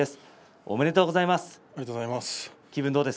おめでとうございます。